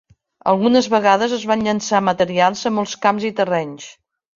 Algunes vegades es van llençar materials a molts camps i terrenys.